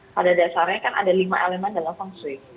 pada dasarnya kan ada lima elemen dalam feng shui